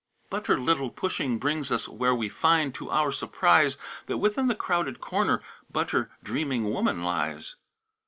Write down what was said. Butter little pushing brings us Where we find, to our surprise, That within the crowded corner Butter dreaming woman lies.